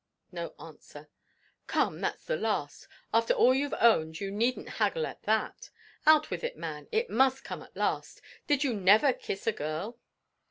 No answer. "Come, that's the last. After all you've owned you needn't haggle at that; out with it, man, it must come at last. Did you never kiss a girl?"